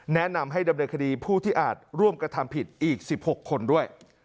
แนะนำให้ดำเนินคดีผู้ที่อาจร่วมกระทำผิดอีก๑๖คนด้วย